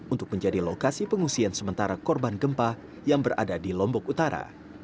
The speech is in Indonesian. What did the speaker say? untuk menjadi lokasi pengungsian sementara korban gempa yang berada di lombok utara